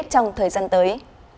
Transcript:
trong thời gian tới